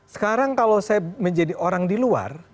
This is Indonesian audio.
sekarang kalau saya menjadi orang di luar